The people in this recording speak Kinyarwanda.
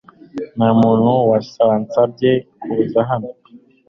Nta muntu wansabye kuza hano